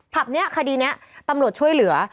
ผับนี้คดีนี้ตำรวจช่วยเหลือ